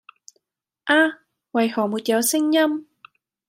啊！為何沒有聲音？